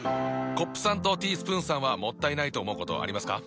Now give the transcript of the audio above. コップさんとティースプーンさんはもったいないと思うことありますか？